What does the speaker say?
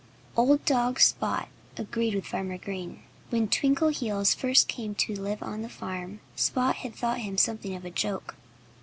Old dog Spot agreed with Farmer Green. When Twinkleheels first came to live on the farm Spot had thought him something of a joke.